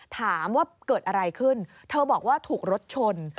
ถามว่าเกิดอะไรขึ้นเธอบอกว่าถูกรถชน